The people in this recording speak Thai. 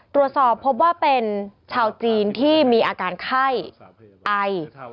ตรวจสอบพบว่าเป็นชาวจีนที่มีอาการไข้ไอ